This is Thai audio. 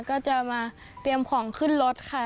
ก็จะมาเตรียมของขึ้นรถค่ะ